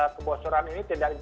kebosoran ini tidak